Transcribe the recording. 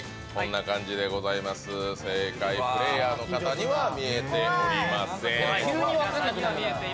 正解はプレーヤーの方には見えておりません。